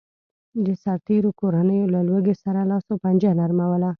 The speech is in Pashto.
د سرتېرو کورنیو له لوږې سره لاس و پنجه نرموله